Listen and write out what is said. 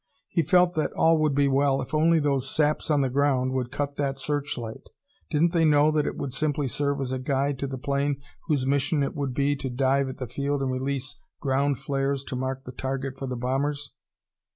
He felt that all would be well if only those saps on the ground would cut that searchlight. Didn't they know that it would simply serve as a guide to the plane whose mission it would be to dive at the field and release ground flares to mark the target for the bombers?